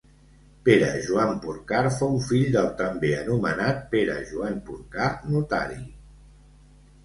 Pere Joan Porcar fou fill del també anomenat Pere Joan Porcar, notari.